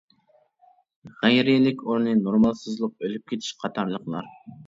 غەيرىيلىك، ئورنى نورمالسىزلىق، ئۆلۈپ كېتىش قاتارلىقلار.